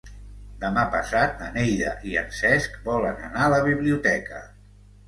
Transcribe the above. Demà passat na Neida i en Cesc volen anar a la biblioteca.